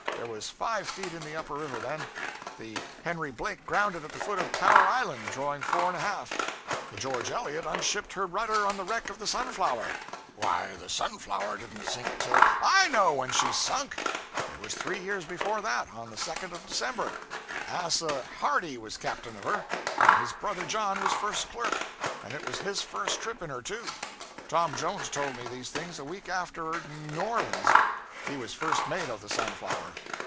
There was five feet in the upper river then; the "Henry Blake" grounded at the foot of Tower Island drawing four and a half; the "George Elliott" unshipped her rudder on the wreck of the "Sunflower" ' 'Why, the "Sunflower" didn't sink until ' 'I know when she sunk; it was three years before that, on the 2nd of December; Asa Hardy was captain of her, and his brother John was first clerk; and it was his first trip in her, too; Tom Jones told me these things a week afterward in New Orleans; he was first mate of the "Sunflower."